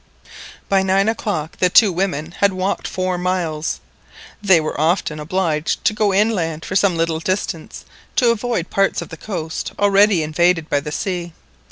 By nine o'clock the two women had walked four miles. They were often obliged to go inland for some little distance, to avoid parts of the coast already invaded by the sea.